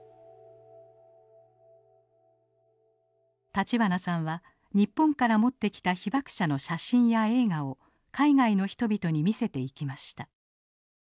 立花さんは日本から持ってきた被爆者の写真や映画を海外の人々に見せていきました。